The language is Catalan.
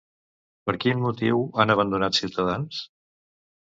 Per quin motiu han abandonat Ciutadans?